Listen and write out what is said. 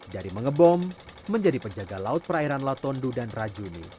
dari mengebom menjadi penjaga laut perairan latondu dan rajuni